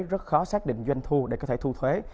rất khó xác định doanh thu để có thể thu thuế